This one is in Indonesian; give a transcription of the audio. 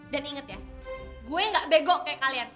dan inget ya gue gak bego kayak kalian